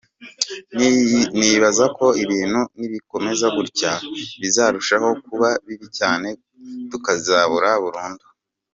Nibaza ko ibintu nibikomeza gutya bizarushaho kuba bibi cyane tukazibura burundu”.